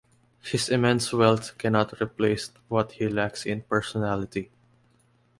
His immense wealth cannot replace what he lacks in personality.